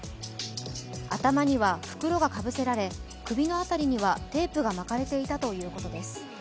頭には袋がかぶせられ首の辺りにはテープが巻かれていたということです。